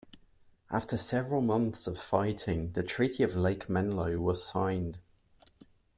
After several months of fighting, the Treaty of Lake Melno was signed.